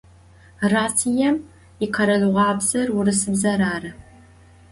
Rossiêm yikheralığuabzer vurısıbzer arı.